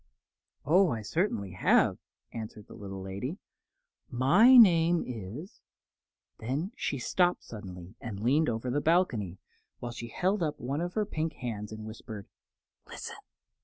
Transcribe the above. "Oh, I certainly have," answered the little lady. "My name is ." Then she stopped suddenly and leaned over the balcony, while she held up one of her pink hands and whispered: "Listen!"